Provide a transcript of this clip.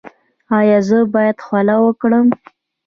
ایا زه باید خوله وکړم؟